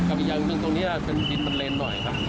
กรรมยังตรงนี้เป็นดินมันเลนหน่อยครับ